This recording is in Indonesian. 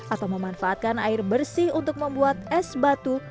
atau memanfaatkan air bersih untuk membuat es batu